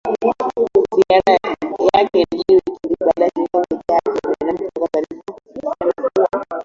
Ziara yake inajiri wiki mbili baada ya shirika la kutetea haki za binadamu kutoa taarifa ikisema kuwa